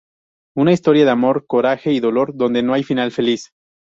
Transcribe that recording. Una historia de amor, coraje y dolor, donde no hay final feliz.